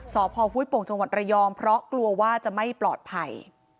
สพห้วยโป่งจังหวัดระยองเพราะกลัวว่าจะไม่ปลอดภัย